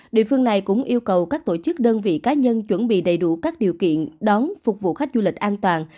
địa phương này cũng yêu cầu các tổ chức đơn vị cá nhân chuẩn bị đầy đủ các điều kiện đón phục vụ khách du lịch an toàn